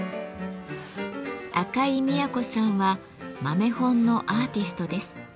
赤井都さんは豆本のアーティストです。